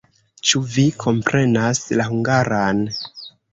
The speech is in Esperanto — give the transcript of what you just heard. Ĉu vi komprenas la hungaran?